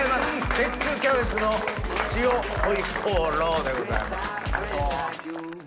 雪中キャベツの塩ホイコーローでございます。